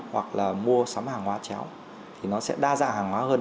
hoặc là mua sắm hàng hóa chéo thì nó sẽ đa dạng hàng hóa hơn